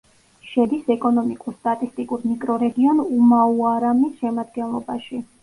შედის ეკონომიკურ-სტატისტიკურ მიკრორეგიონ უმაუარამის შემადგენლობაში.